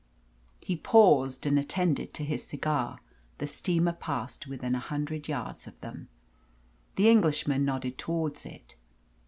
He paused and attended to his cigar. The steamer passed within a hundred yards of them. The Englishman nodded towards it.